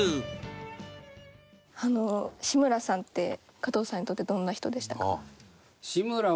志村さんって加藤さんにとってどんな人でしたか？